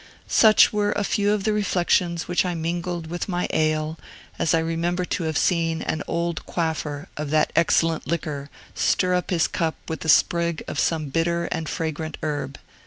Such were a few of the reflections which I mingled with my ale, as I remember to have seen an old quaffer of that excellent liquor stir up his cup with a sprig of some bitter and fragrant herb.